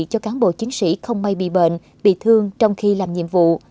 cho cán bộ chiến sĩ không may bị bệnh bị thương trong khi làm nhiệm vụ